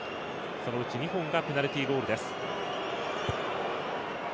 そのうち２本がペナルティゴール。